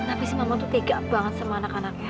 kenapa ibu sangat terlalu tega dengan anak anaknya